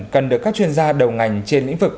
cần được các chuyên gia đầu ngành trên lĩnh vực